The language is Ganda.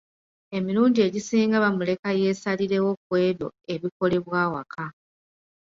Emilundi egisinga bamuleka yeesalirewo ku ebyo ebikolebwa awaka.